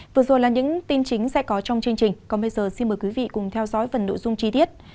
vừa rồi là những tin chính sẽ có trong chương trình còn bây giờ xin mời quý vị cùng theo dõi phần nội dung chi tiết